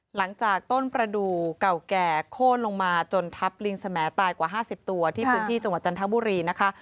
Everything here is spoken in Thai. หลังจากต้นประดูกเก่าแก่โค้นลงมาจนทับลิงสมตายกว่า๕๐ตัวที่พื้นที่จังหวัดจันทบุรีนะคะ